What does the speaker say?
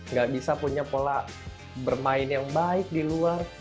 nggak bisa punya pola bermain yang baik di luar